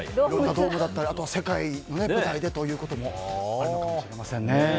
ドームだったりあとは世界の舞台でということもあるのかもしれませんね。